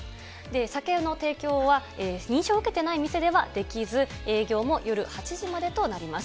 酒の提供は、認証を受けてない店ではできず、営業も夜８時までとなります。